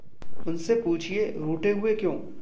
उनसे पूछिए, रूठे हुए हो क्यों...